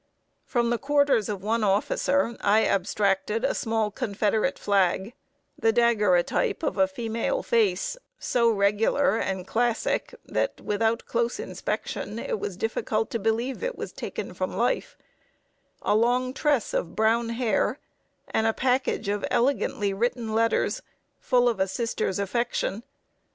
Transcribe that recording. From the quarters of one officer, I abstracted a small Confederate flag; the daguerreotype of a female face so regular and classic that, without close inspection, it was difficult to believe it taken from life; a long tress of brown hair, and a package of elegantly written letters, full of a sister's affection.